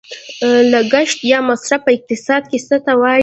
لګښت یا مصرف په اقتصاد کې څه ته وايي؟